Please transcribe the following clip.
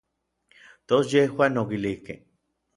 Tos yejuan okilijkej.